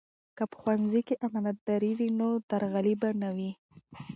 که په ښوونځي کې امانتداري وي نو درغلي به نه وي.